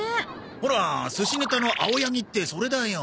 ほら寿司ネタのアオヤギってそれだよ。